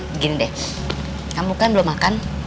begini deh kamu kan belum makan